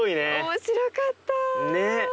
面白かった。ね！